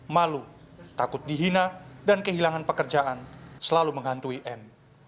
malu takut dihina dan kehilangan pekerjaan selalu menghantui n